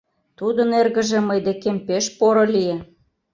Тудын эргыже мый декем пеш поро лие.